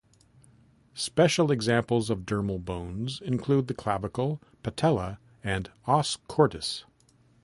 Special examples of dermal bones include the clavicle, patella, and "os cordis".